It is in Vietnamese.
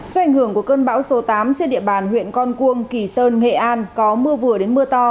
do ảnh hưởng của cơn bão số tám trên địa bàn huyện con cuông kỳ sơn nghệ an có mưa vừa đến mưa to